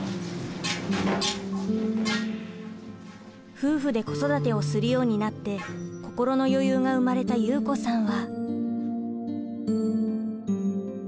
夫婦で子育てをするようになって心の余裕が生まれた祐子さんは。